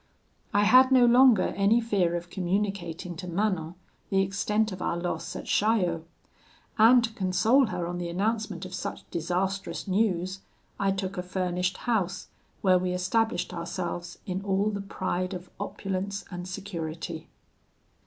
"I had no longer any fear of communicating to Manon the extent of our loss at Chaillot, and, to console her on the announcement of such disastrous news, I took a furnished house, where we established ourselves in all the pride of opulence and security.